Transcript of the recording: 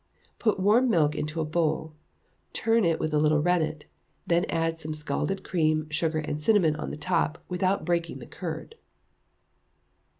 Put warm milk into a bowl, turn it with a little rennet, then add some scalded cream, sugar, and cinnamon on the top, without breaking the curd.